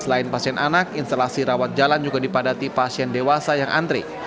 selain pasien anak instalasi rawat jalan juga dipadati pasien dewasa yang antri